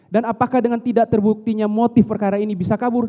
dan apakah dengan tidak terbuktinya motif perkara ini bisa kabur